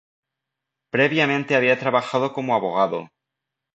Previamente había trabajado como abogado.